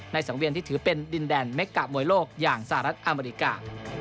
สังเวียนที่ถือเป็นดินแดนเม็กกะมวยโลกอย่างสหรัฐอเมริกา